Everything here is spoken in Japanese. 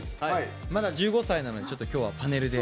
まだ１５歳なのでちょっとパネルで。